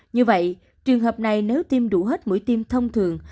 như vậy trường hợp này nếu tiêm đủ hết mũi tiêm thông thường